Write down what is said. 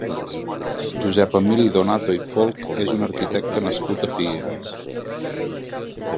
Josep Emili Donato i Folch és un arquitecte nascut a Figueres.